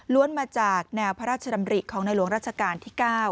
มาจากแนวพระราชดำริของในหลวงราชการที่๙